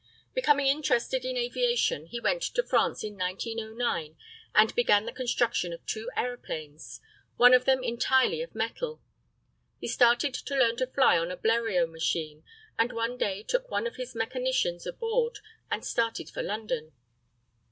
Becoming interested in aviation, he went to France in 1909, and began the construction of two aeroplanes, one of them entirely of metal. He started to learn to fly on a Bleriot machine, and one day took one of his mechanicians aboard and started for London.